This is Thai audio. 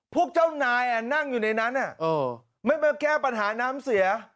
พวกเจ้านายนั่งอยู่ในนั้นไม่มาแก้ปัญหาน้ำเสีย